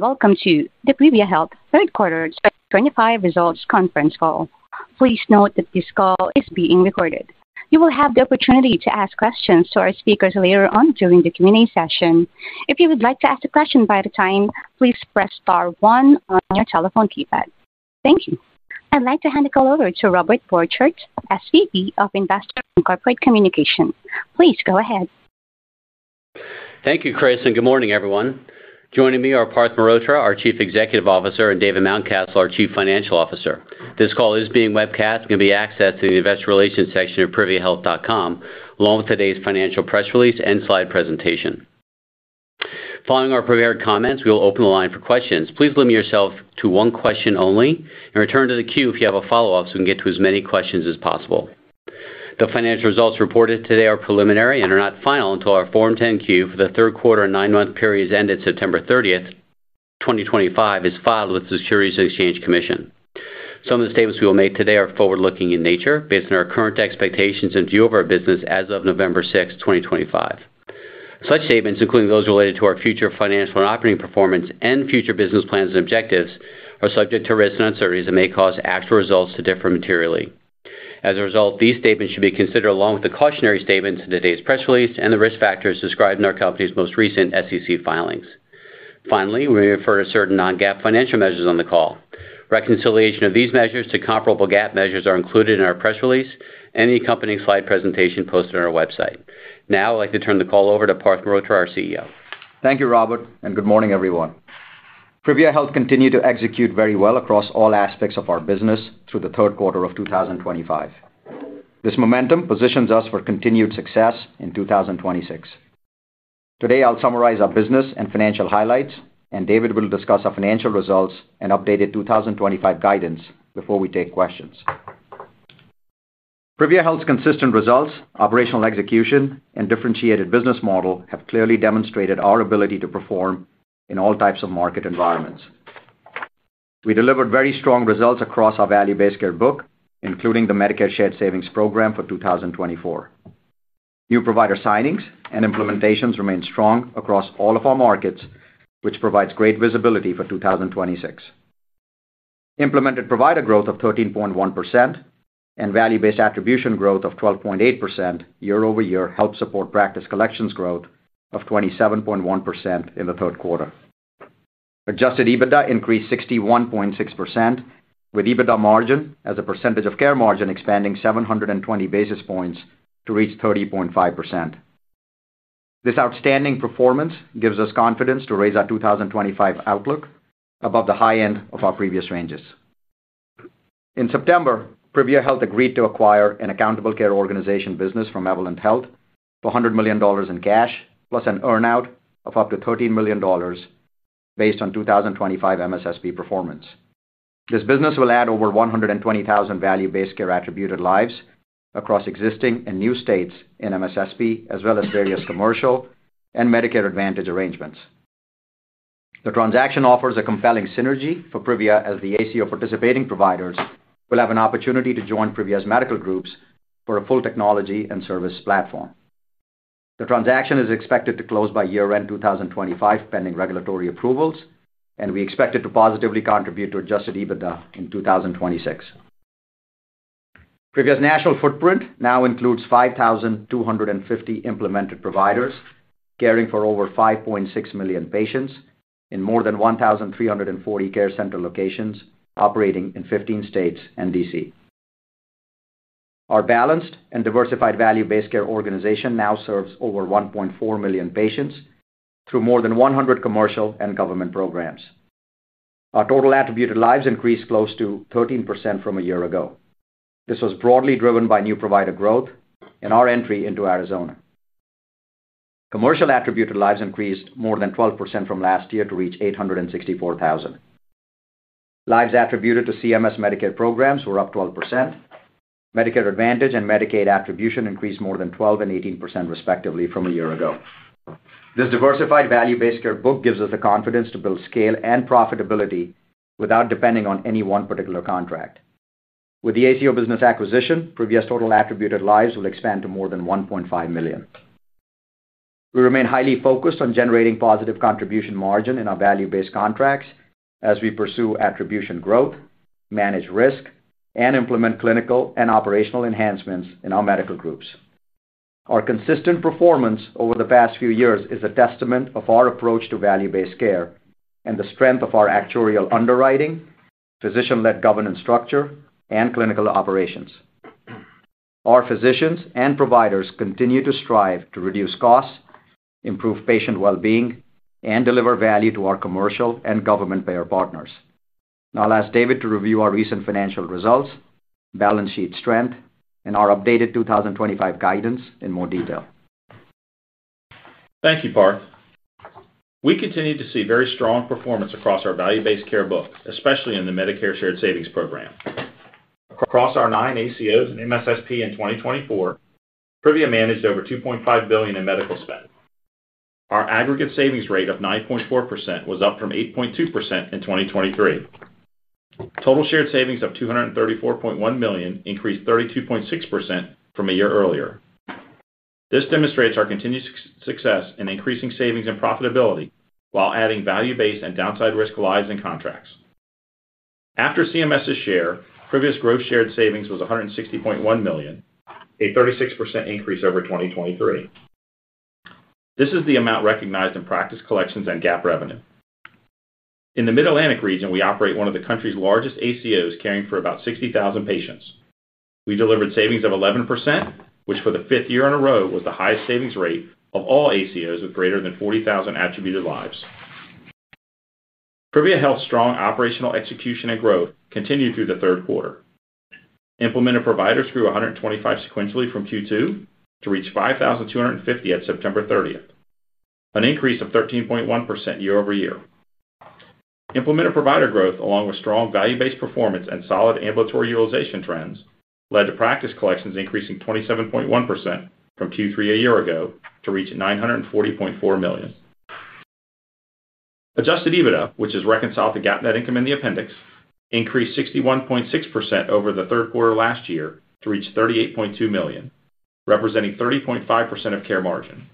Welcome to the Privia Health third-quarter 2025 results conference call. Please note that this call is being recorded. You will have the opportunity to ask questions to our speakers later on during the Q&A session. If you would like to ask a question at that time, please press star one on your telephone keypad. Thank you. I'd like to hand the call over to Robert Borchert, SVP of Investor and Corporate Communications. Please go ahead. Thank you, Chris, and good morning, everyone. Joining me are Parth Mehrotra, our Chief Executive Officer, and David Mountcastle, our Chief Financial Officer. This call is being webcast and can be accessed in the Investor Relations section of priviahealth.com, along with today's financial press release and slide presentation. Following our prepared comments, we will open the line for questions. Please limit yourself to one question only and return to the queue if you have a follow-up so we can get to as many questions as possible. The financial results reported today are preliminary and are not final until our Form 10Q for the third-quarter and nine-month periods ended September 30, 2025, is filed with the Securities and Exchange Commission. Some of the statements we will make today are forward-looking in nature, based on our current expectations and view of our business as of November 6, 2025. Such statements, including those related to our future financial and operating performance and future business plans and objectives, are subject to risk and uncertainties that may cause actual results to differ materially. As a result, these statements should be considered along with the cautionary statements in today's press release and the risk factors described in our company's most recent SEC filings. Finally, we may refer to certain non-GAAP financial measures on the call. Reconciliation of these measures to comparable GAAP measures is included in our press release and the accompanying slide presentation posted on our website. Now, I'd like to turn the call over to Parth Mehrotra, our CEO. Thank you, Robert, and good morning, everyone. Privia Health has continued to execute well across all aspects of our business through the third quarter of 2025. This momentum positions us for continued success in 2026. Today, I'll summarize our business and financial highlights, and David will discuss our financial results and updated 2025 guidance before we take questions. Privia Health's consistent results, operational execution, and differentiated business model have clearly demonstrated our ability to perform in all types of market environments. We delivered very strong results across our value-based care book, including the Medicare Shared Savings Program for 2024. New provider signings and implementations remain strong across all of our markets, which provides great visibility for 2026. Implemented provider growth of 13.1% and value-based attribution growth of 12.8% year-over-year helped support practice collections growth of 27.1% in the third quarter. Adjusted EBITDA increased 61.6%, with EBITDA margin as a percentage of Care Margin expanding 720 basis points to reach 30.5%. This outstanding performance gives us confidence to raise our 2025 outlook above the high end of our previous ranges. In September, Privia Health agreed to acquire an ACO business from Elevance Health for $100 million in cash, plus an earnout of up to $13 million based on 2025 MSSP performance. This business will add over 120,000 value-based care attributed lives across existing and new states in MSSP, as well as various commercial and Medicare Advantage arrangements. The transaction offers a compelling synergy for Privia as the ACO participating providers will have an opportunity to join Privia's medical groups for a full technology and service platform. The transaction is expected to close by year-end 2025, pending regulatory approvals, and we expect it to positively contribute to adjusted EBITDA in 2026. Privia's national footprint now includes 5,250 implemented providers caring for over 5.6 million patients in more than 1,340 care center locations operating in 15 states and DC. Our balanced and diversified value-based care organization now serves over 1.4 million patients through more than 100 commercial and government programs. Our total attributed lives increased close to 13% from a year ago. This was broadly driven by new provider growth and our entry into Arizona. Commercial attributed lives rose over 12% to 864,000 Lives attributed to CMS Medicare programs were up 12%. Medicare Advantage and Medicaid attribution increased more than 12% and 18% respectively from a year ago. This diversified value-based care book gives us the confidence to build scale and profitability without depending on any one particular contract. With the ACO business acquisition, Privia's total attributed lives will expand to more than 1.5 million. We remain highly focused on generating positive contribution margin in our value-based contracts as we pursue attribution growth, manage risk, and implement clinical and operational enhancements in our medical groups. Our consistent performance over the past few years is a testament to our approach to value-based care and the strength of our actuarial underwriting, physician-led governance structure, and clinical operations. Our physicians and providers continue to strive to reduce costs, improve patient well-being, and deliver value to our commercial and government payer partners. Now, I'll ask David to review our recent financial results, balance sheet strength, and our updated 2025 guidance in more detail. Thank you, Parth. We continue to see very strong performance across our value-based care book, especially in the Medicare Shared Savings Program. Across our nine ACOs and MSSP in 2024, Privia managed over $2.5 billion in medical spend. Our aggregate savings rate of 9.4% was up from 8.2% in 2023. Total shared savings of $234.1 million increased 32.6% from a year earlier. This demonstrates our continued success in increasing savings and profitability while adding value-based and downside risk lives and contracts. After CMS's share, Privia's gross shared savings was $160.1 million, a 36% increase over 2023. This is the amount recognized in practice collections and GAAP revenue. In the Mid-Atlantic region, we operate one of the country's largest ACOs caring for about 60,000 patients. We delivered savings of 11%, which for the fifth year in a row was the highest savings rate of all ACOs with greater than 40,000 attributed lives. Privia Health's strong operational execution and growth continued through the third quarter. Implemented providers grew 125 providers sequentially\ from Q2 to reach 5,250 at September 30, an increase of 13.1% year-over-year. Implemented provider growth, along with strong value-based performance and solid ambulatory utilization trends, led to practice collections increasing 27.1% from Q3 a year ago to reach $940.4 million. Adjusted EBITDA, which has reconciled to GAAP net income in the appendix, increased 61.6% over the third quarter last year to reach $38.2 million, representing 30.5% of care margin.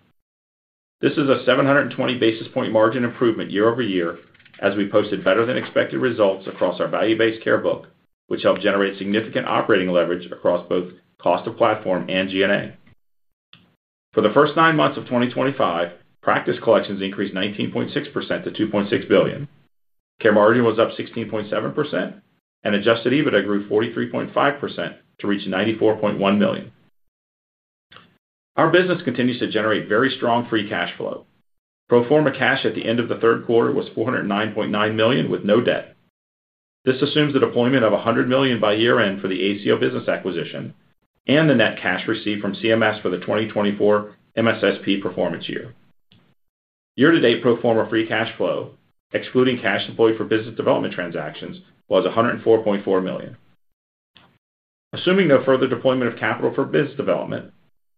This is a 720 basis point margin improvement year-over-year as we posted better-than-expected results across our value-based care book, which helped generate significant operating leverage across both cost of platform and G&A. For the first nine months of 2025, practice collections increased 19.6% to $2.6 billion. Care margin was up 16.7%, and adjusted EBITDA grew 43.5% to reach $94.1 million. Our business continues to generate very strong free cash flow. Pro forma cash at the end of the third quarter was $409.9 million with no debt. This assumes the deployment of $100 million by year-end for the ACO business acquisition and the net cash received from CMS for the 2024 MSSP performance year. Year-to-date pro forma free cash flow, excluding cash employed for business development transactions, was $104.4 million. Assuming no further deployment of capital for business development,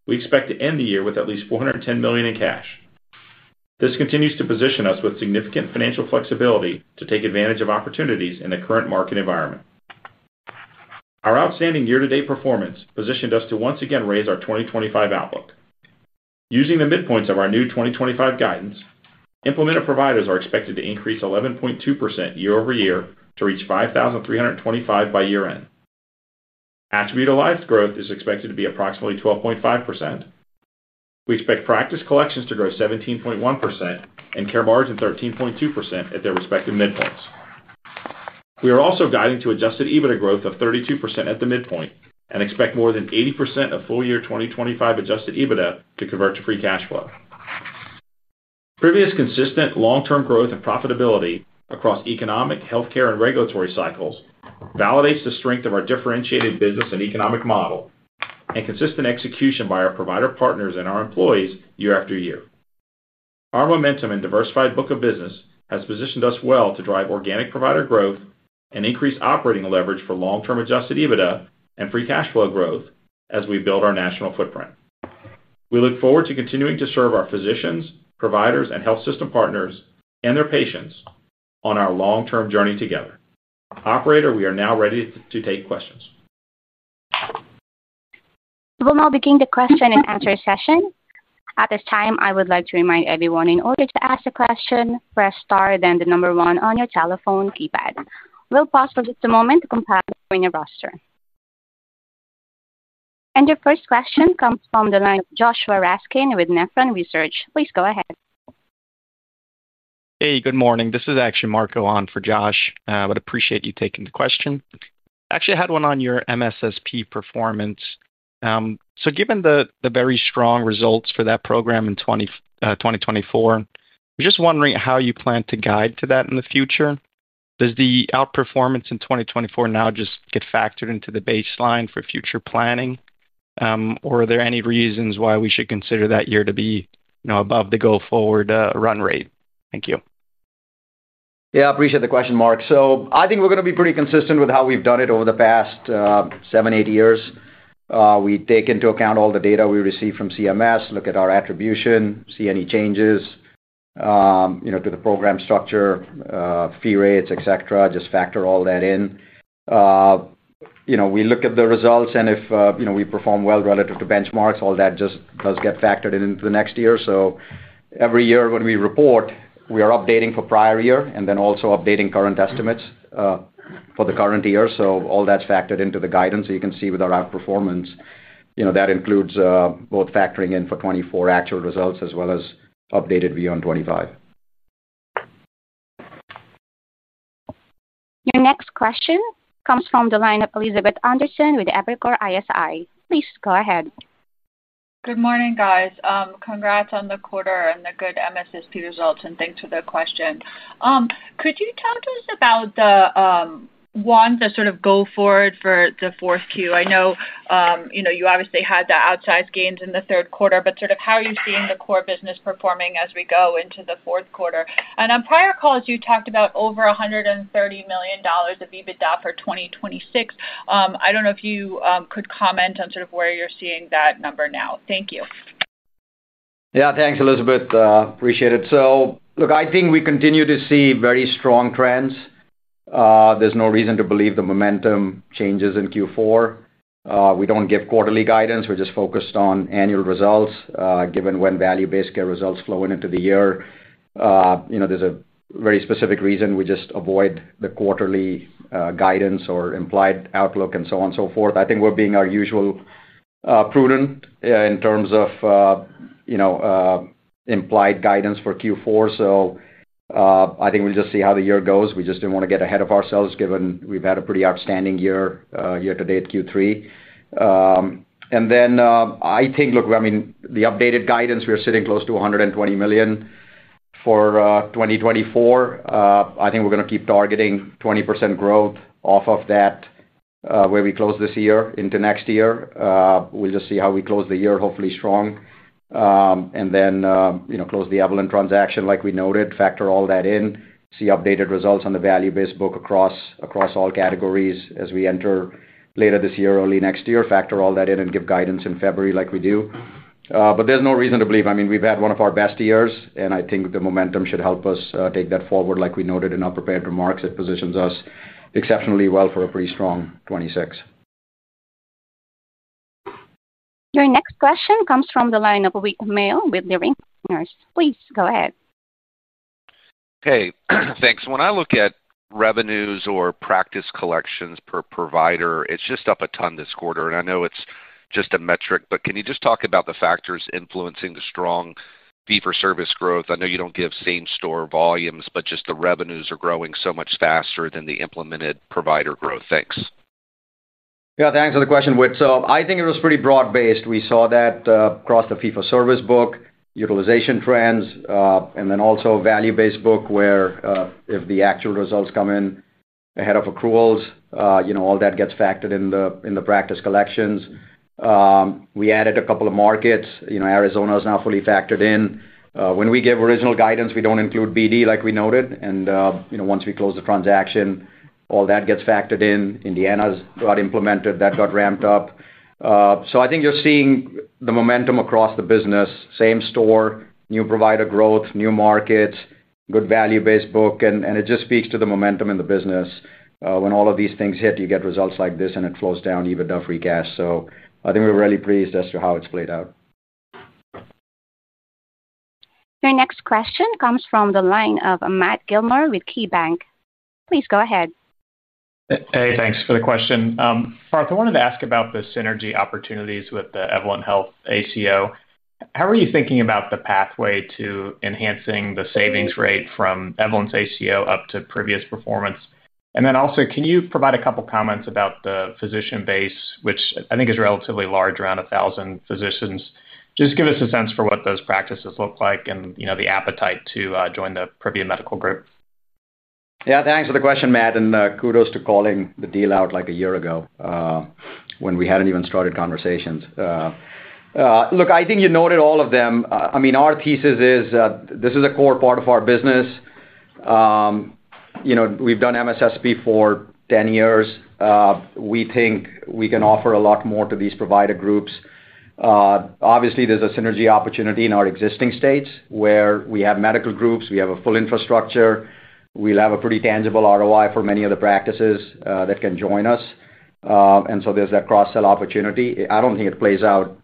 we expect to end the year with at least $410 million in cash. This continues to position us with significant financial flexibility to take advantage of opportunities in the current market environment. Our outstanding year-to-date performance positioned us to once again raise our 2025 outlook. Using the midpoint of our new 2025 guidance, implemented providers are expected to increase 11.2% year-over-year to reach 5,325 by year-end. Attributed lives growth is expected to be approximately 12.5%. We expect practice collections to grow 17.1% and care margin 13.2% at their respective midpoints. We are also guiding to adjusted EBITDA growth of 32% at the midpoint and expect more than 80% of full year 2025 adjusted EBITDA to convert to free cash flow. Privia's consistent long-term growth and profitability across economic, healthcare, and regulatory cycles validates the strength of our differentiated business and economic model and consistent execution by our provider partners and our employees year after year. Our momentum and diversified book of business has positioned us well to drive organic provider growth and increase operating leverage for long-term adjusted EBITDA and free cash flow growth as we build our national footprint. We look forward to continuing to serve our physicians, providers, and health system partners and their patients on our long-term journey together. Operator, we are now ready to take questions. We will now begin the question and answer session. At this time, I would like to remind everyone in order to ask a question press star then the number one on your telephone keypad. We'll pause for just a moment to compile your roster. Your first question comes from the line of Josh Raskin with Nephron Research. Please go ahead. Hey, good morning. This is actually Marco on for Josh. I would appreciate you taking the question. Actually, I had one on your MSSP performance. So given the very strong results for that program in 2024, we're just wondering how you plan to guide to that in the future. Does the outperformance in 2024 now just get factored into the baseline for future planning. Or are there any reasons why we should consider that year to be above the go-forward run rate? Thank you. Yeah, I appreciate the question, Mark. I think we're going to be pretty consistent with how we've done it over the past seven, eight years. We take into account all the data we receive from CMS, look at our attribution, see any changes to the program structure, fee rates, et cetera, just factor all that in. We look at the results, and if we perform well relative to benchmarks, all that just does get factored into the next year. Every year when we report, we are updating for prior year and then also updating current estimates for the current year. All that's factored into the guidance. You can see with our outperformance, that includes both factoring in for 2024 actual results as well as updated view on 2025. Your next question comes from the line of Elizabeth Anderson with Evercore ISI. Please go ahead. Good morning, guys. Congrats on the quarter and the good MSSP results, and thanks for the question. Could you tell us about the one that sort of go-forward for the fourth quarter? I know you obviously had the outsized gains in the third quarter, but sort of how are you seeing the core business performing as we go into the fourth quarter? On prior calls, you talked about over $130 million of EBITDA for 2026. I do not know if you could comment on sort of where you are seeing that number now. Thank you. Yeah, thanks, Elizabeth. Appreciate it. Look, I think we continue to see very strong trends. There's no reason to believe the momentum changes in Q4. We don't give quarterly guidance. We're just focused on annual results. Given when value-based care results flow into the year, there's a very specific reason we just avoid the quarterly guidance or implied outlook and so on and so forth. I think we're being as prudent as usual in terms of implied guidance for Q4. I think we'll just see how the year goes. We just didn't want to get ahead of ourselves given we've had a pretty outstanding year year-to-date Q3. I think, look, I mean, the updated guidance, we're sitting close to $120 million for 2025. I think we're going to keep targeting 20% growth off of that, where we close this year into next year. We'll just see how we close the year, hopefully strong. Then close the Evolent transaction like we noted, factor all that in, see updated results on the value-based book across all categories as we enter later this year, early next year, factor all that in and give guidance in February like we do. There's no reason to believe. I mean, we've had one of our best years, and I think the momentum should help us take that forward like we noted in our prepared remarks. It positions us exceptionally well for a pretty strong 2026. Your next question comes from the line of Whit Mayo with Leerink Partners. Please go ahead. Hey, thanks. When I look at revenues or practice collections per provider, it's just up a ton this quarter. And I know it's just a metric, but can you just talk about the factors influencing the strong fee-for-service growth? I know you don't give same-store volumes, but just the revenues are growing so much faster than the implemented provider growth. Thanks. Yeah, thanks for the question, Whit. I think it was pretty broad-based. We saw that across the fee-for-service book, utilization trends, and then also a value-based book where if the actual results come in ahead of accruals, all that gets factored in the practice collections. We added a couple of markets. Arizona is now fully factored in. When we give original guidance, we do not include BD like we noted. Once we close the transaction, all that gets factored in. Indiana's got implemented. That got ramped up. I think you are seeing the momentum across the business, same-store, new provider growth, new markets, good value-based book. It just speaks to the momentum in the business. When all of these things hit, you get results like this, and it flows down EBITDA free cash. I think we are really pleased as to how it has played out. Your next question comes from the line of Matt Gillmor with KeyBanc. Please go ahead. Hey, thanks for the question. Parth, I wanted to ask about the synergy opportunities with the Evolent Health ACO. How are you thinking about the pathway to enhancing the savings rate from Evolent's ACO up to previous performance? Also, can you provide a couple of comments about the physician base, which I think is relatively large, around 1,000 physicians? Just give us a sense for what those practices look like and the appetite to join the Privia Medical Group. Yeah, thanks for the question, Matt, and kudos to calling the deal out like a year ago. When we hadn't even started conversations. Look, I think you noted all of them. I mean, our thesis is this is a core part of our business. We've done MSSP for 10 years. We think we can offer a lot more to these provider groups. Obviously, there's a synergy opportunity in our existing states where we have medical groups. We have a full infrastructure. We'll have a pretty tangible ROI for many of the practices that can join us. There is that cross-sell opportunity. I don't think it plays out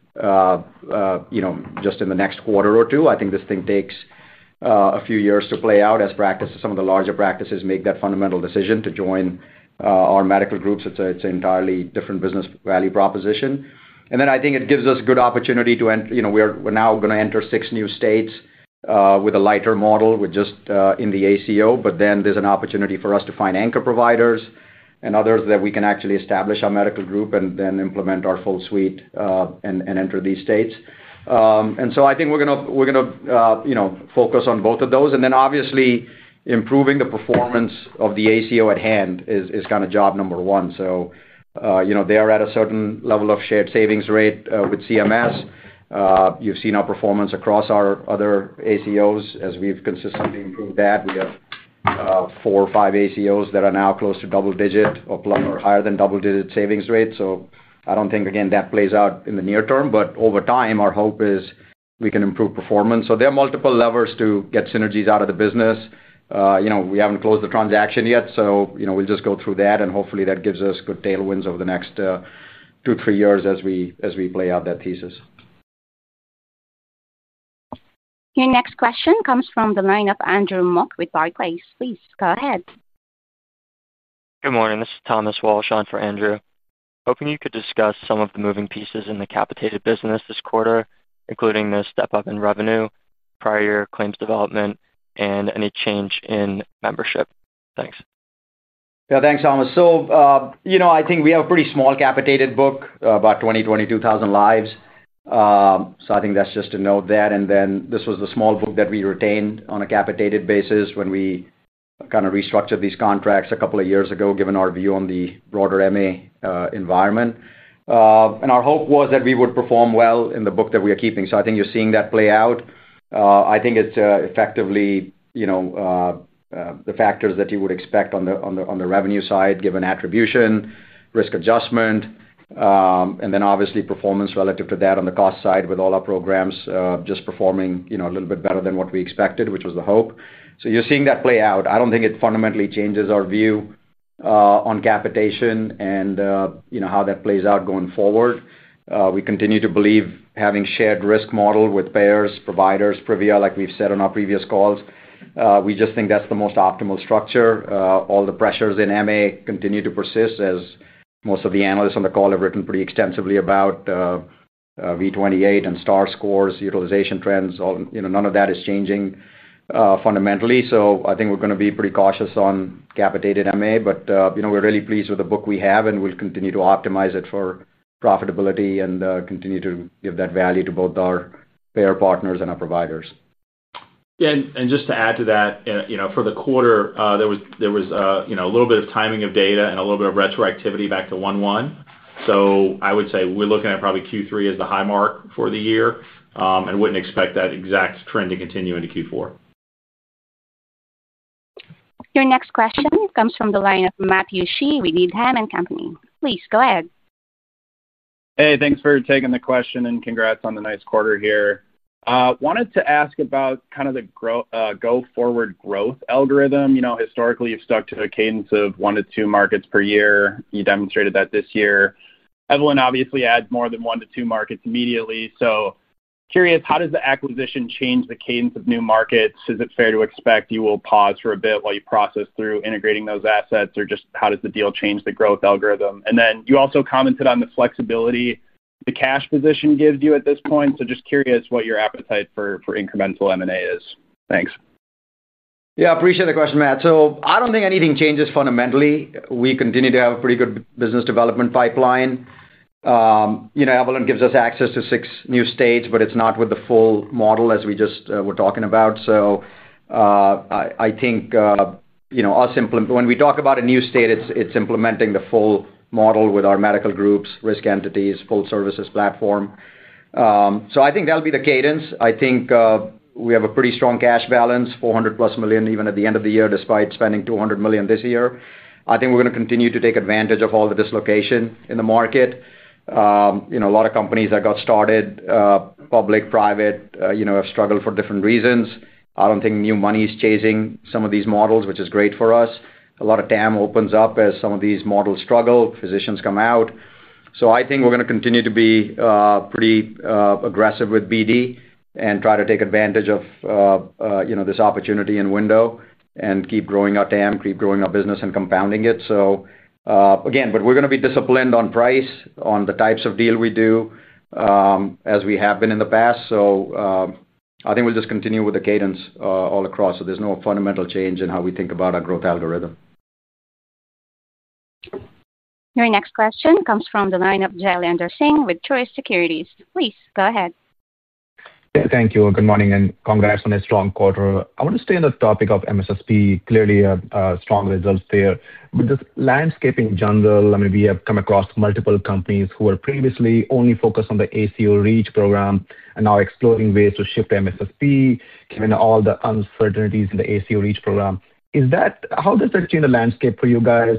just in the next quarter or two. I think this thing takes a few years to play out as practices, some of the larger practices make that fundamental decision to join our medical groups. It's an entirely different business value proposition. I think it gives us good opportunity to enter. We're now going to enter six new states with a light model with just in the ACO, but then there's an opportunity for us to find anchor providers and others that we can actually establish our medical group and then implement our full suite and enter these states. I think we're going to focus on both of those. Obviously, improving the performance of the ACO at hand is kind of job number one. They are at a certain level of shared savings rate with CMS. You've seen our performance across our other ACOs as we've consistently improved that. We have four or five ACOs that are now close to double-digit or higher than double-digit savings rates. I do not think, that plays out in the near term, but over time, our hope is we can improve performance. There are multiple levers to get synergies out of the business. We have not closed the transaction yet, so we will just go through that, and hopefully, that gives us good tailwinds over the next two, three years as we play out that thesis. Your next question comes from the line of Andrew Mok with Barclays. Please go ahead. Good morning. This is Thomas Walsh on for Andrew. Hoping you could discuss some of the moving pieces in the capitated business this quarter, including the step-up in revenue, prior year claims development, and any change in membership. Thanks. Yeah, thanks, Thomas. I think we have a pretty small capitated book, about 20,000-22,000 lives. I think that's just to note that. This was the small book that we retained on a capitated basis when we kind of restructured these contracts a couple of years ago, given our view on the broader MA environment. Our hope was that we would perform well in the book that we are keeping. I think you're seeing that play out. I think it's effectively the factors that you would expect on the revenue side, given attribution risk adjustment. Obviously, performance relative to that on the cost side with all our programs just performing a little bit better than what we expected, which was the hope. You're seeing that play out. I don't think it fundamentally changes our view. On capitation and how that plays out going forward. We continue to believe having a shared risk model with payers, providers, Privia, like we've said on our previous calls. We just think that's the most optimal structure. All the pressures in MA continue to persist as most of the analysts on the call have written pretty extensively about. V28 and star scores, utilization trends. None of that is changing. Fundamentally. I think we're going to be pretty cautious on capitated MA, but we're really pleased with the book we have, and we'll continue to optimize it for profitability and continue to give that value to both our payer partners and our providers. Yeah, and just to add to that, for the quarter, there was a little bit of timing of data and a little bit of retroactivity back to 1/1. I would say we're looking at probably Q3 as the high mark for the year and wouldn't expect that exact trend to continue into Q4. Your next question comes from the line of Matthew Shea with Needham & Company. Please go ahead. Hey, thanks for taking the question and congrats on the nice quarter here. Wanted to ask about kind of the go-forward growth algorithm. Historically, you've stuck to a cadence of one to two markets per year. You demonstrated that this year. Evolent obviously adds more than one to two markets immediately. Curious, how does the acquisition change the cadence of new markets? Is it fair to expect you will pause for a bit while you process through integrating those assets, or just how does the deal change the growth algorithm? You also commented on the flexibility the cash position gives you at this point. Just curious what your appetite for incremental M&A is. Thanks. Yeah, I appreciate the question, Matt. I don't think anything changes fundamentally. We continue to have a pretty good business development pipeline. Evolent gives us access to six new states, but it's not with the full model as we just were talking about. I think when we talk about a new state, it's implementing the full model with our medical groups, risk entities, full services platform. I think that'll be the cadence. I think we have a pretty strong cash balance, $400 million-plus even at the end of the year, despite spending $200 million this year. I think we're going to continue to take advantage of all the dislocation in the market. A lot of companies that got started, public, private, have struggled for different reasons. I don't think new money is chasing some of these models, which is great for us. A lot of TAM opens up as some of these models struggle, physicians come out. I think we're going to continue to be pretty aggressive with BD and try to take advantage of this opportunity and window and keep growing our TAM, keep growing our business, and compounding it. Again, we're going to be disciplined on price, on the types of deal we do, as we have been in the past. I think we'll just continue with the cadence all across. There is no fundamental change in how we think about our growth algorithm. Your next question comes from the line of Jailendra Singh with Truist Securities. Please go ahead. Thank you. Good morning and congrats on a strong quarter. I want to stay on the topic of MSSP, clearly a strong result there. With this landscaping jungle, I mean, we have come across multiple companies who were previously only focused on the ACO Reach program and now exploring ways to shift MSSP given all the uncertainties in the ACO Reach program. How does that change the landscape for you guys?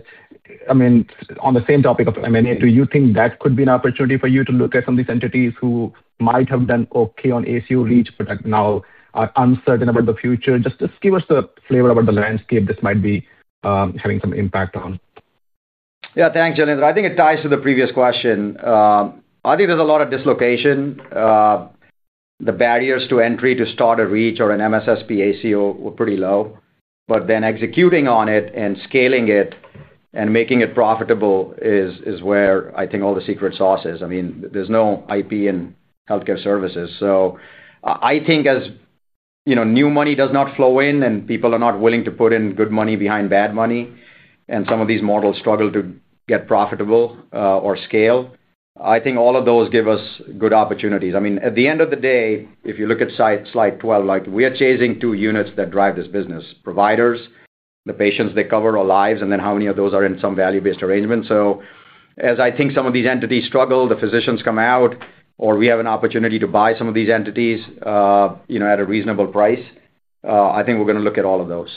I mean, on the same topic of M&A, do you think that could be an opportunity for you to look at some of these entities who might have done okay on ACO Reach, but now are uncertain about the future? Just give us the flavor about the landscape this might be having some impact on. Yeah, thanks, Jailendra. I think it ties to the previous question. I think there's a lot of dislocation. The barriers to entry to start a Reach or an MSSP ACO were pretty low. But then executing on it and scaling it and making it profitable is where I think all the secret sauce is. I mean, there's no IP in healthcare services. So I think as new money does not flow in and people are not willing to put in good money behind bad money and some of these models struggle to get profitable or scale, I think all of those give us good opportunities. I mean, at the end of the day, if you look at slide 12, we are chasing two units that drive this business: providers, the patients they cover or lives, and then how many of those are in some value-based arrangements. As I think some of these entities struggle, the physicians come out, or we have an opportunity to buy some of these entities. At a reasonable price, I think we're going to look at all of those.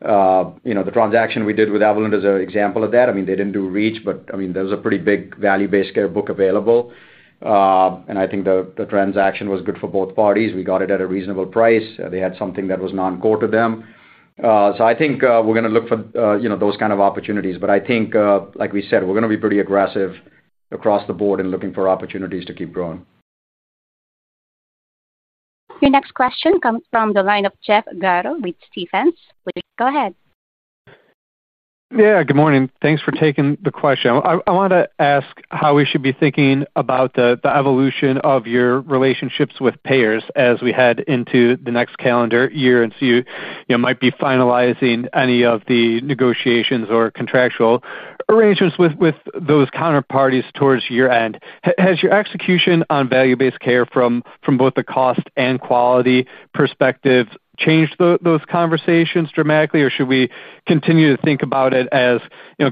The transaction we did with Evolent is an example of that. they didn't do Reach, but I mean, there was a pretty big value-based care book available. I think the transaction was good for both parties. We got it at a reasonable price. They had something that was non-core to them. I think we're going to look for those kind of opportunities. I think, like we said, we're going to be pretty aggressive across the board in looking for opportunities to keep growing. Your next question comes from the line of Jeff Garro with Stephens. Please go ahead. Yeah, good morning. Thanks for taking the question. I want to ask how we should be thinking about the evolution of your relationships with payers as we head into the next calendar year and as you might be finalizing any of the negotiations or contractual arrangements with those counterparties towards year end. Has your execution on value-based care from both the cost and quality perspective changed those conversations dramatically, or should we continue to think about it as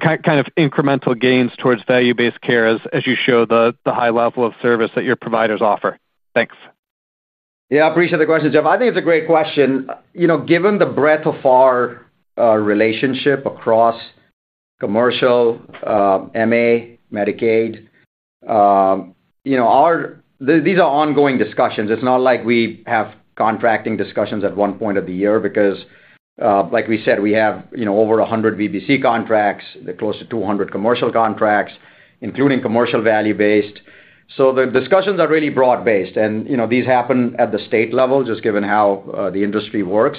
kind of incremental gains towards value-based care as you show the high level of service that your providers offer? Thanks. Yeah, I appreciate the question, Jeff. I think it's a great question. Given the breadth of our relationship across commercial, MA, Medicaid, these are ongoing discussions. It's not like we have contracting discussions at one point of the year because, like we said, we have over 100 VBC contracts, close to 200 commercial contracts, including commercial value-based. The discussions are really broad-based. These happen at the state level, just given how the industry works.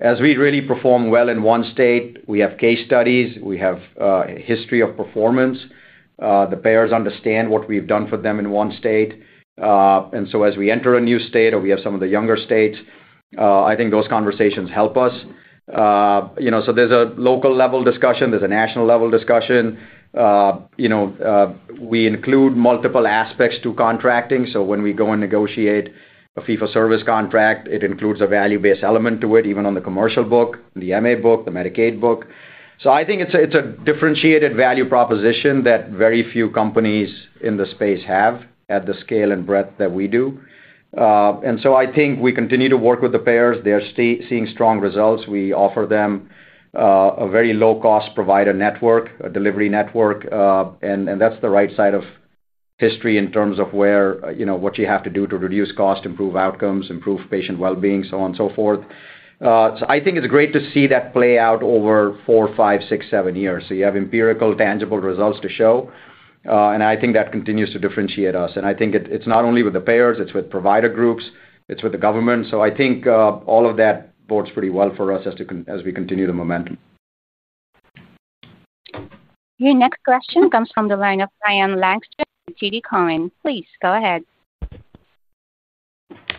As we really perform well in one state, we have case studies. We have a history of performance. The payers understand what we've done for them in one state. As we enter a new state or we have some of the younger states, I think those conversations help us. There's a local-level discussion. There's a national-level The discussions are really broad-based multiple aspects to contracting When we go and negotiate a fee-for-service contract, it includes a value-based element to it, even on the commercial book, the MA book, the Medicaid book. I think it's a differentiated value proposition that very few companies in the space have at the scale and breadth that we do. I think we continue to work with the payers. They're seeing strong results. We offer them a very low-cost provider network, a delivery network. That's the right side of history in terms of what you have to do to reduce cost, improve outcomes, improve patient well-being, so on and so forth. I think it's great to see that play out over four, five, six, seven years. You have empirical, tangible results to show. I think that continues to differentiate us. I think it's not only with the payers, it's with provider groups, it's with the government. I think all of that bodes pretty well for us as we continue the momentum. Your next question comes from the line of Ryan Langston and TD Cowen. Please go ahead.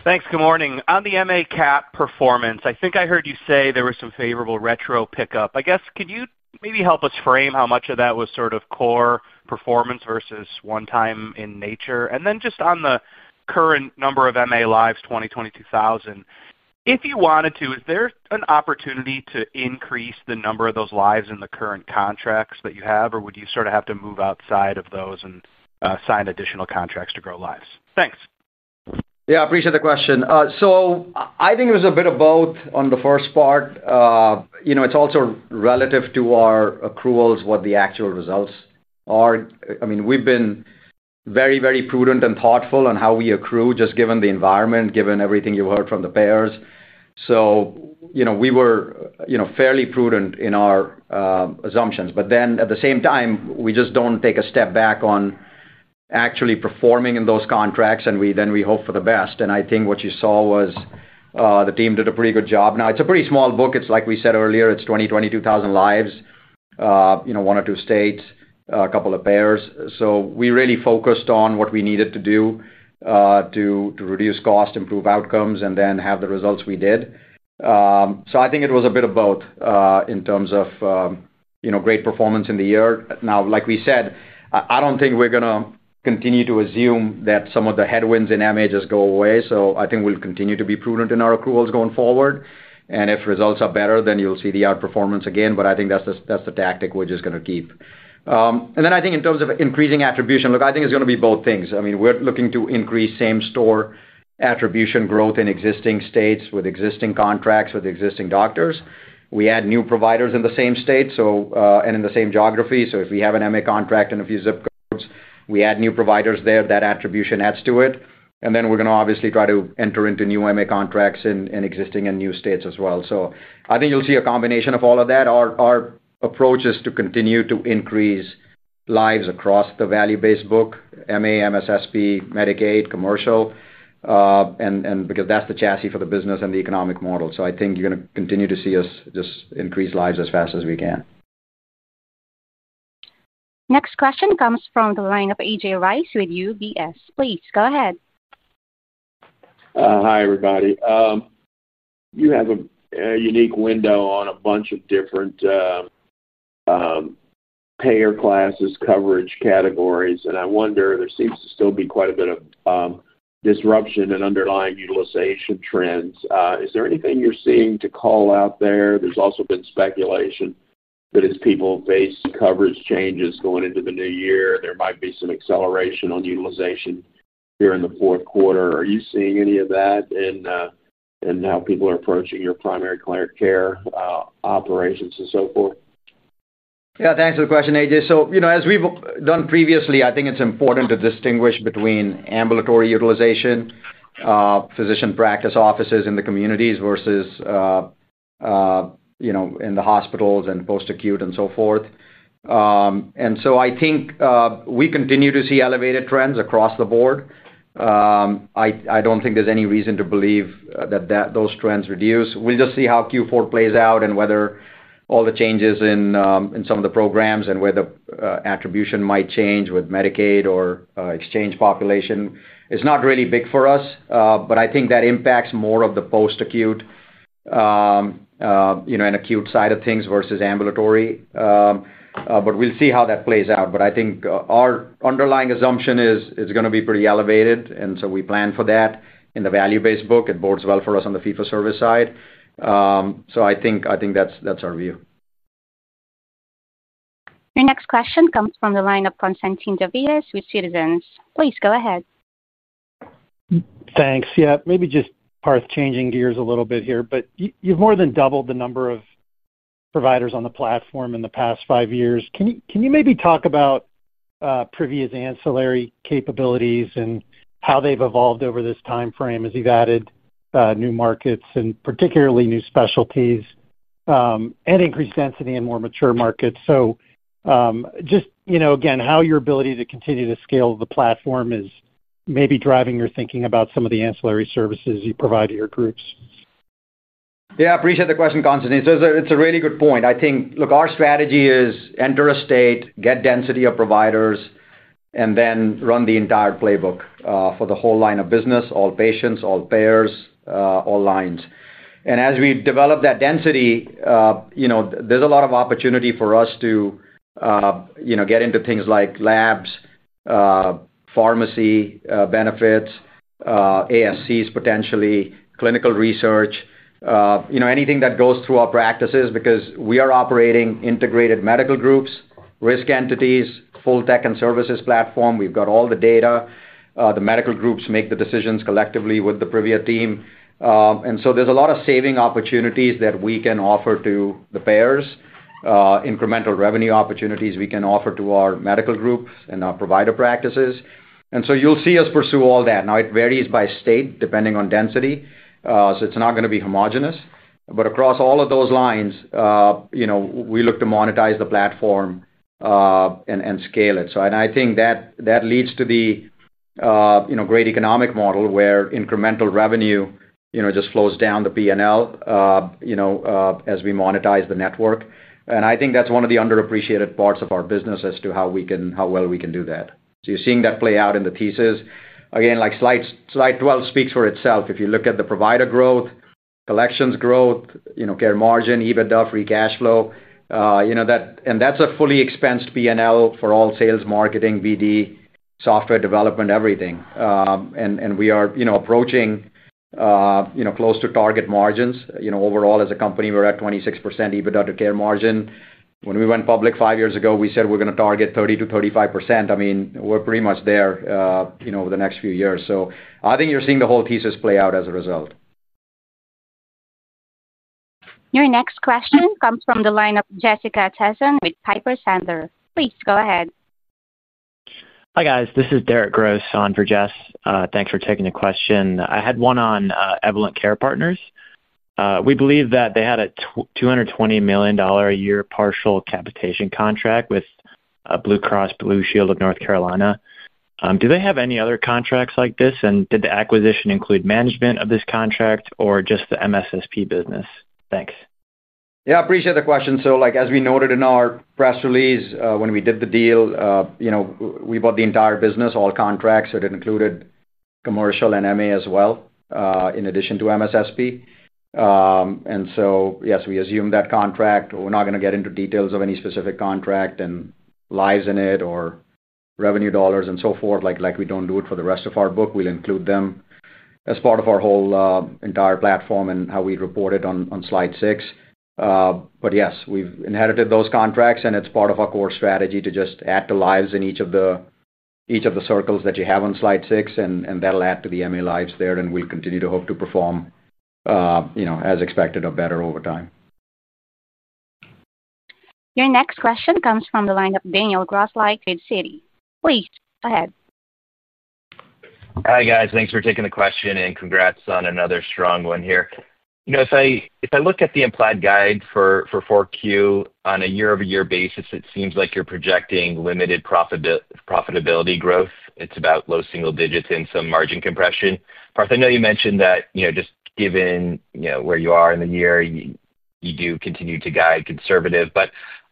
Thanks. Good morning. On the MA cap performance, I think I heard you say there was some favorable retro pickup. I guess, could you maybe help us frame how much of that was sort of core performance versus one-time in nature? Then just on the current number of MA lives, 2020, 2000, if you wanted to, is there an opportunity to increase the number of those lives in the current contracts that you have, or would you sort of have to move outside of those and sign additional contracts to grow lives? Thanks. Yeah, I appreciate the question. I think it was a bit of both on the first part. It's also relative to our accruals, what the actual results are. I mean, we've been very, very prudent and thoughtful on how we accrue, just given the environment, given everything you've heard from the payers. We were fairly prudent in our assumptions. At the same time, we just don't take a step back on actually performing in those contracts, and then we hope for the best. I think what you saw was the team did a pretty good job. Now, it's a pretty small book. Like we said earlier, it's 20,000-22,000 lives. One or two states, a couple of payers. We really focused on what we needed to do to reduce cost, improve outcomes, and then have the results we did. I think it was a bit of both in terms of great performance in the year. Now, like we said, I do not think we are going to continue to assume that some of the headwinds in MA just go away. I think we will continue to be prudent in our accruals going forward. If results are better, then you will see the outperformance again. I think that is the tactic we are just going to keep. I think in terms of increasing attribution, look, I think it is going to be both things. I mean, we are looking to increase same-store attribution growth in existing states with existing contracts with existing doctors. We add new providers in the same state and in the same geography. If we have an MA contract and a few zip codes, we add new providers there, that attribution adds to it. We're going to obviously try to enter into new MA contracts in existing and new states as well. I think you'll see a combination of all of that. Our approach is to continue to increase lives across the value-based book, MA, MSSP, Medicaid, commercial. Because that's the chassis for the business and the economic model. I think you're going to continue to see us just increase lives as fast as we can. Next question comes from the line of A.J. Rice with UBS. Please go ahead. Hi, everybody. You have a unique window on a bunch of different payer classes, coverage categories. I wonder, there seems to still be quite a bit of disruption and underlying utilization trends. Is there anything you're seeing to call out there? There's also been speculation that as people face coverage changes going into the new year, there might be some acceleration on utilization here in the fourth quarter. Are you seeing any of that in how people are approaching your primary care operations and so forth? Yeah, thanks for the question, AJ. As we've done previously, I think it's important to distinguish between ambulatory utilization, physician practice offices in the communities versus in the hospitals and post-acute and so forth. I think we continue to see elevated trends across the board. I don't think there's any reason to believe that those trends reduce. We'll just see how Q4 plays out and whether all the changes in some of the programs and where the attribution might change with Medicaid or exchange population is not really big for us. I think that impacts more of the post-acute and acute side of things versus ambulatory. We'll see how that plays out. I think our underlying assumption is it's going to be pretty elevated. We plan for that in the value-based book. It bodes well for us on the fee-for-service side. I think that's our view. Your next question comes from the line of Constantine Davides with Citizens. Please go ahead. Thanks. Yeah, maybe just part of changing gears a little bit here. But you've more than doubled the number of providers on the platform in the past five years. Can you maybe talk about Privia's ancillary capabilities and how they've evolved over this timeframe as you've added new markets and particularly new specialties and increased density in more mature markets? Just again, how your ability to continue to scale the platform is maybe driving your thinking about some of the ancillary services you provide to your groups. Yeah, I appreciate the question, Constantine. So it's a really good point. I think, look, our strategy is enter a state, get density of providers, and then run the entire playbook for the whole line of business, all patients, all payers, all lines. And as we develop that density, there's a lot of opportunity for us to get into things like labs, pharmacy benefits, ASCs potentially, clinical research, anything that goes through our practices because we are operating integrated medical groups, risk entities, full tech and services platform. We've got all the data. The medical groups make the decisions collectively with the Privia team. And so there's a lot of saving opportunities that we can offer to the payers, incremental revenue opportunities we can offer to our medical groups and our provider practices. And so you'll see us pursue all that. Now, it varies by state depending on density. It's not going to be homogenous. Across all of those lines, we look to monetize the platform and scale it. I think that leads to the great economic model where incremental revenue just flows down the P&L as we monetize the network. I think that's one of the underappreciated parts of our business as to how well we can do that. You're seeing that play out in the thesis. Again, slide 12 speaks for itself. If you look at the provider growth, collections growth, care margin, EBITDA, free cash flow, that's a fully expensed P&L for all sales, marketing, BD, software development, everything. We are approaching close to target margins. Overall, as a company, we're at 26% EBITDA to care margin. When we went public five years ago, we said we're going to target 30-35%. I mean, we're pretty much there over the next few years. I think you're seeing the whole thesis play out as a result. Your next question comes from the line of Jessica Tassan with Piper Sandler. Please go ahead. Hi, guys. This is Derek Gross, on for Jess. Thanks for taking the question. I had one on Evolent Care Partners. We believe that they had a $220 million a year partial capitation contract with Blue Cross Blue Shield of North Carolina. Do they have any other contracts like this? Did the acquisition include management of this contract or just the MSSP business? Thanks. Yeah, I appreciate the question. As we noted in our press release when we did the deal, we bought the entire business, all contracts. It included commercial and MA as well in addition to MSSP. Yes, we assume that contract. We're not going to get into details of any specific contract and lives in it or revenue dollars and so forth. We do not do it for the rest of our book. We will include them as part of our whole entire platform and how we report it on slide six. Yes, we have inherited those contracts, and it is part of our core strategy to just add to lives in each of the circles that you have on slide six, and that will add to the MA lives there. We will continue to hope to perform as expected or better over time. Your next question comes from the line of Daniel Grosslight with Citi. Please go ahead. Hi, guys. Thanks for taking the question and congrats on another strong one here. If I look at the implied guide for 4Q on a year-over-year basis, it seems like you're projecting limited profitability growth. It's about low single digits and some margin compression. Parth, I know you mentioned that just given where you are in the year, you do continue to guide conservative.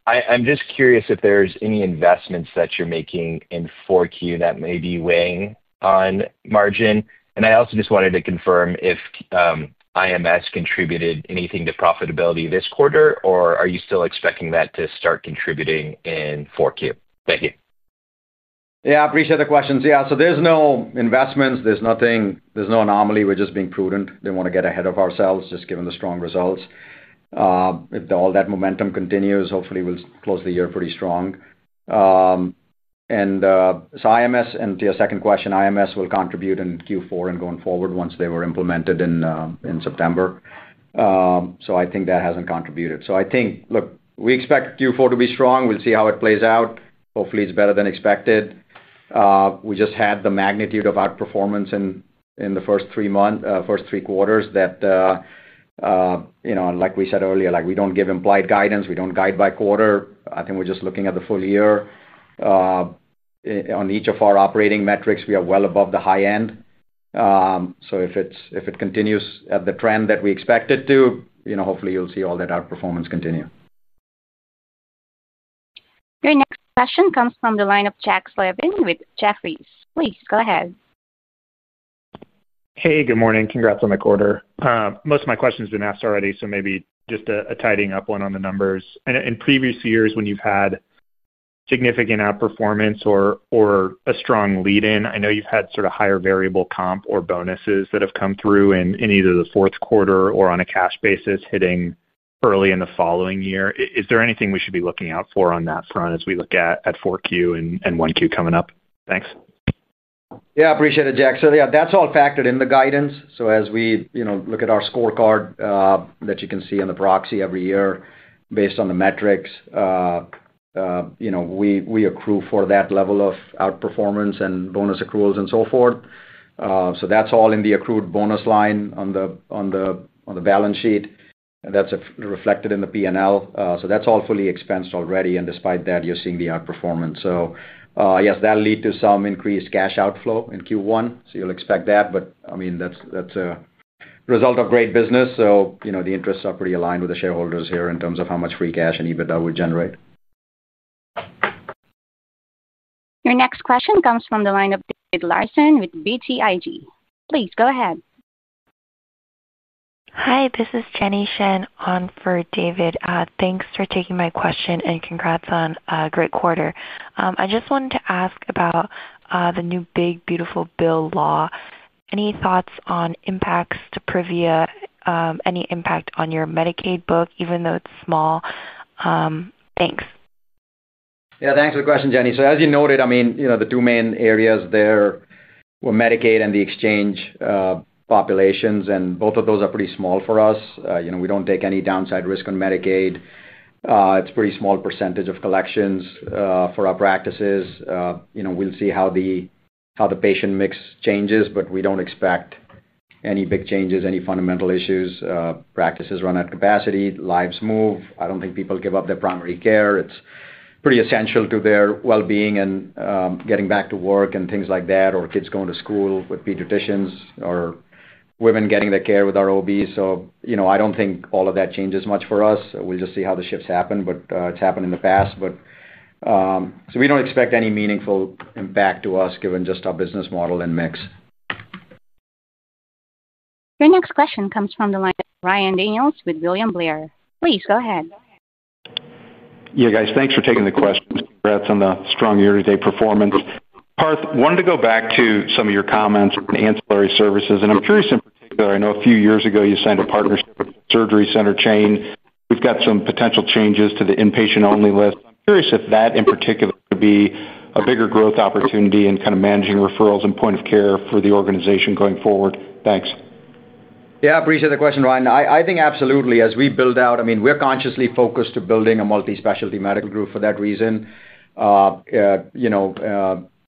I'm just curious if there's any investments that you're making in 4Q that may be weighing on margin. I also just wanted to confirm if IMS contributed anything to profitability this quarter, or are you still expecting that to start contributing in 4Q? Thank you. Yeah, I appreciate the questions. Yeah. There's no investments. There's nothing. There's no anomaly. We're just being prudent. We don't want to get ahead of ourselves just given the strong results. If all that momentum continues, hopefully, we'll close the year pretty strong. IMS, and to your second question, IMS will contribute in Q4 and going forward once they were implemented in September. I think that hasn't contributed. I think, look, we expect Q4 to be strong. We'll see how it plays out. Hopefully, it's better than expected. We just had the magnitude of outperformance in the first three quarters. Like we said earlier, we don't give implied guidance. We don't guide by quarter. I think we're just looking at the full year. On each of our operating metrics, we are well above the high end. If it continues at the trend that we expect it to, hopefully, you'll see all that outperformance continue. Your next question comes from the line of Jack Slevin with Jefferies. Please go ahead. Hey, good morning. Congrats on the quarter. Most of my questions have been asked already, so maybe just a tidying up one on the numbers. In previous years, when you've had significant outperformance or a strong lead-in, I know you've had sort of higher variable comp or bonuses that have come through in either the fourth quarter or on a cash basis hitting early in the following year. Is there anything we should be looking out for on that front as we look at 4Q and 1Q coming up? Thanks. Yeah, I appreciate it, Jack. Yeah, that's all factored in the guidance. As we look at our scorecard that you can see on the proxy every year based on the metrics, we accrue for that level of outperformance and bonus accruals and so forth. That's all in the accrued bonus line on the balance sheet. That's reflected in the P&L. That's all fully expensed already. Despite that, you're seeing the outperformance. Yes, that'll lead to some increased cash outflow in Q1. You'll expect that. I mean, that's a result of great business. The interests are pretty aligned with the shareholders here in terms of how much free cash and EBITDA we generate. Your next question comes from the line of David Larsen with BTIG. Please go ahead. Hi, this is Jenny Shen on for David. Thanks for taking my question and congrats on a great quarter. I just wanted to ask about the new big, beautiful bill law. Any thoughts on impacts to Privia, any impact on your Medicaid book, even though it's small? Thanks. Yeah, thanks for the question, Jenny. As you noted, I mean, the two main areas there were Medicaid and the exchange populations. Both of those are pretty small for us. We do not take any downside risk on Medicaid. It is a pretty small percentage of collections for our practices. We will see how the patient mix changes, but we do not expect any big changes, any fundamental issues. Practices run at capacity, lives move. I do not think people give up their primary care. It is pretty essential to their well-being and getting back to work and things like that, or kids going to school with pediatricians or women getting their care with our OBs. I do not think all of that changes much for us. We will just see how the shifts happen, but it has happened in the past. We do not expect any meaningful impact to us given just our business model and mix. Your next question comes from the line of Ryan Daniels with William Blair. Please go ahead. Yeah, guys, thanks for taking the questions. Congrats on the strong year-to-date performance. Parth, I wanted to go back to some of your comments on ancillary services. I'm curious in particular, I know a few years ago you signed a partnership with a surgery center chain. We've got some potential changes to the inpatient-only list. I'm curious if that in particular could be a bigger growth opportunity in kind of managing referrals and point of care for the organization going forward. Thanks. Yeah, I appreciate the question, Ryan. I think absolutely. As we build out, I mean, we're consciously focused on building a multi-specialty medical group for that reason.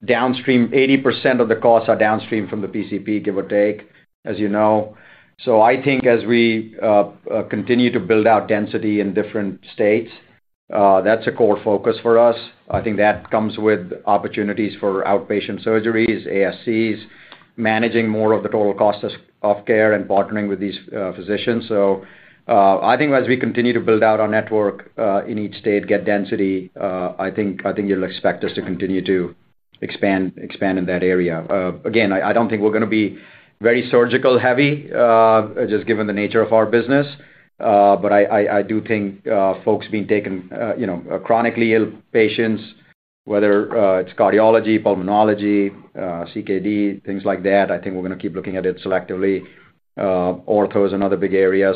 Downstream, 80% of the costs are downstream from the PCP, give or take, as you know. I think as we continue to build out density in different states, that's a core focus for us. I think that comes with opportunities for outpatient surgeries, ASCs, managing more of the total cost of care and partnering with these physicians. I think as we continue to build out our network in each state, get density, I think you'll expect us to continue to expand in that area. Again, I don't think we're going to be very surgical-heavy, just given the nature of our business. I do think folks being taken. Chronically ill patients, whether it's cardiology, pulmonology, CKD, things like that, I think we're going to keep looking at it selectively. Ortho is another big area.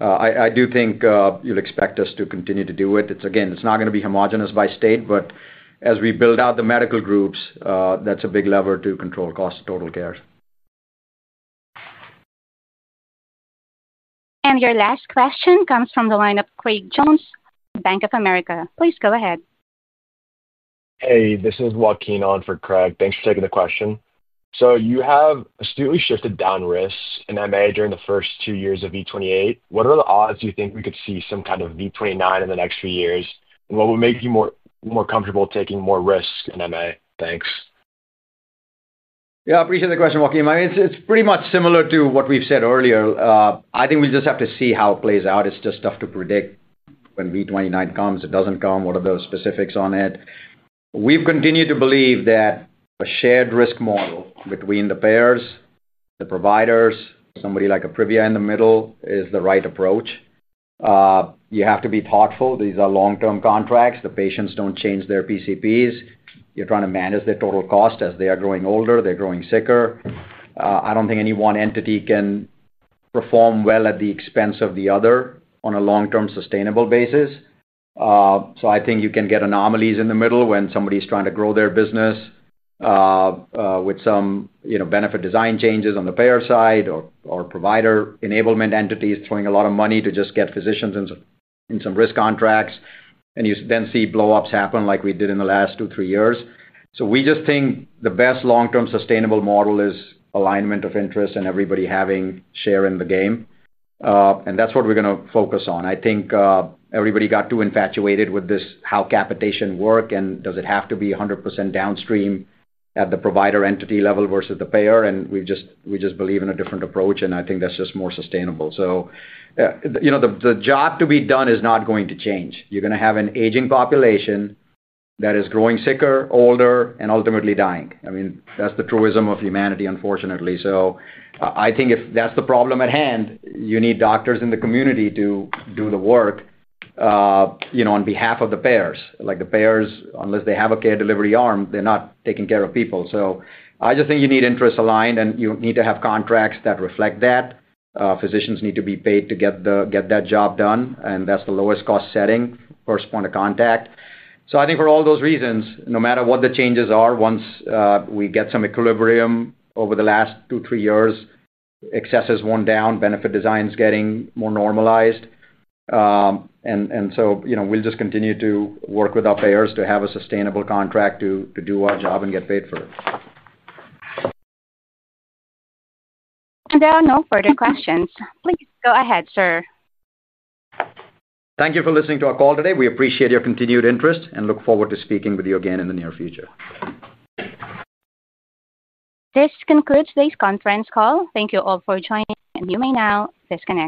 I do think you'll expect us to continue to do it. Again, it's not going to be homogenous by state, but as we build out the medical groups, that's a big lever to control cost of total cares. Your last question comes from the line of Craig Jones, Bank of America. Please go ahead. Hey, this is Joaquin on for Craig. Thanks for taking the question. You have astutely shifted down risks in MA during the first two years of V28. What are the odds you think we could see some kind of V29 in the next few years? What would make you more comfortable taking more risk in MA? Thanks. Yeah, I appreciate the question, Joaquin. It's pretty much similar to what we've said earlier. I think we'll just have to see how it plays out. It's just tough to predict. When V29 comes, it doesn't come. What are the specifics on it? We've continued to believe that a shared risk model between the payers, the providers, somebody like a Privia in the middle is the right approach. You have to be thoughtful. These are long-term contracts. The patients don't change their PCPs. You're trying to manage their total cost as they are growing older. They're growing sicker. I don't think any one entity can perform well at the expense of the other on a long-term sustainable basis. I think you can get anomalies in the middle when somebody is trying to grow their business. With some benefit design changes on the payer side or provider enablement entities throwing a lot of money to just get physicians in some risk contracts. You then see blow-ups happen like we did in the last two, three years. We just think the best long-term sustainable model is alignment of interest and everybody having share in the game. That is what we are going to focus on. I think everybody got too infatuated with how capitation works and does it have to be 100% downstream at the provider entity level versus the payer. We just believe in a different approach, and I think that is just more sustainable. The job to be done is not going to change. You are going to have an aging population that is growing sicker, older, and ultimately dying. I mean, that is the truism of humanity, unfortunately. I think if that's the problem at hand, you need doctors in the community to do the work. On behalf of the payers. The payers, unless they have a care delivery arm, they're not taking care of people. I just think you need interests aligned, and you need to have contracts that reflect that. Physicians need to be paid to get that job done, and that's the lowest cost setting, first point of contact. I think for all those reasons, no matter what the changes are, once we get some equilibrium over the last two, three years, excesses worn down, benefit designs getting more normalized. We'll just continue to work with our payers to have a sustainable contract to do our job and get paid for it. There are no further questions. Please go ahead, sir. Thank you for listening to our call today. We appreciate your continued interest and look forward to speaking with you again in the near future. This concludes today's conference call. Thank you all for joining. You may now disconnect.